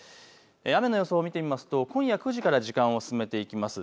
雨の予想を見てみると今夜９時から時間を進めていきます。